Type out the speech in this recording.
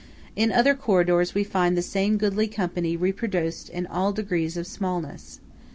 In other corridors we find the same goodly company reproduced in all degrees of smallness.